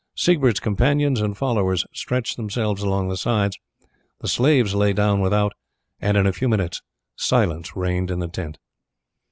Siegbert's companions and followers stretched themselves along the sides, the slaves lay down without, and in a few minutes silence reigned in the tent.